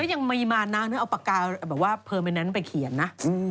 ยังมีมานะเอาปากกาแบบว่าเพอร์เมนนั้นไปเขียนนะ